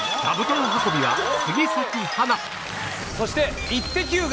そして。